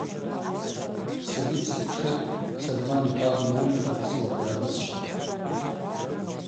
Сайыт сипшытӏ – Сольман йхӏваз уымуын – хӏва сылаква йгӏарнысщтуа.